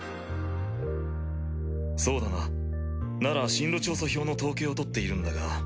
そうだななら進路調査票の統計を取っているんだが。